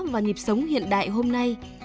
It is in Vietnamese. và nhịp sống hiện đại hôm nay